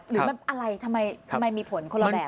หรือมันอะไรทำไมมีผลคนละแบบ